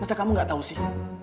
masa kamu gak tau sih